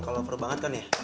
kalau perlu banget kan ya